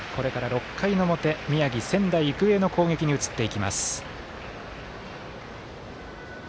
６回の表宮城、仙台育英の攻撃に移っていきます。